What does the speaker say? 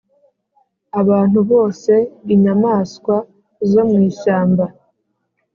Abantu bose inyamaswa zo mu ishyamba